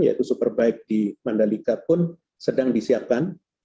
yaitu superbike di mandalika pun sedang disiapkan